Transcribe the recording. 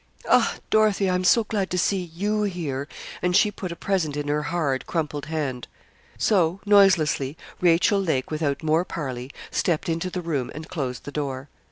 'Ah, Dorothy! I'm so glad to see you here!' and she put a present in her hard, crumpled hand. So, noiselessly, Rachel Lake, without more parley, stepped into the room, and closed the door.